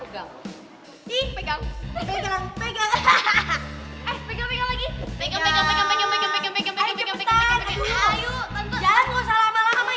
gak usah lama lama